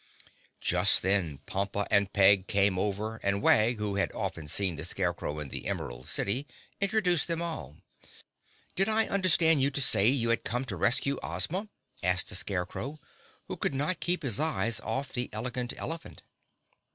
Just then Pompa and Peg came over and Wag, who had often seen the Scarecrow in the Emerald City, introduced them all. "Did I understand you to say you had come to rescue Ozma?" asked the Scarecrow, who could not keep his eyes off the Elegant Elephant.